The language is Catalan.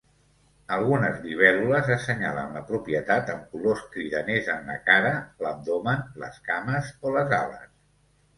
Algunes libèl·lules assenyalen la propietat amb colors cridaners en la cara, l'abdomen, les cames o les ales.